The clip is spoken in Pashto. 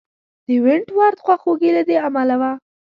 د ونټ ورت خواخوږي له دې امله وه.